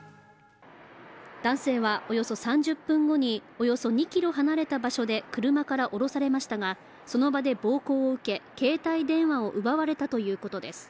男性はおよそ３０分後におよそ２ｋｍ離れた場所で車から降ろされましたがその場で暴行を受け携帯電話を奪われたということです。